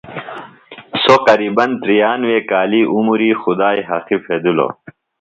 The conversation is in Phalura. سوۡ قریبن تریانوے کالی عمری خدائی حقی پھیدِلوۡ